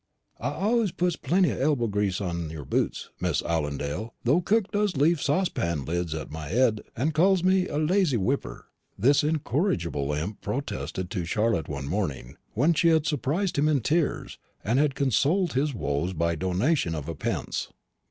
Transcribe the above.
"I allus puts plenty of elbow grease on your boots, Miss 'Allundale, though cook does heave saucepan lids at my 'ed and call me a lazy wiper," this incorrigible imp protested to Charlotte one morning, when she had surprised him in tears and had consoled his woes by a donation of pence.